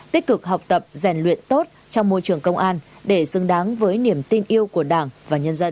tích cực học tập rèn luyện tốt trong môi trường công an để xứng đáng với niềm tin yêu của đảng và nhân dân